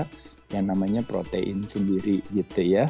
ada yang namanya protein sendiri gitu ya